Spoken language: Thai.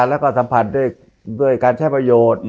แล้วก็สัมผัสด้วยการใช้ประโยชน์